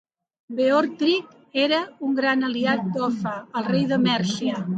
Beorhtric era un gran aliat d'Offa, rei de Mèrcia.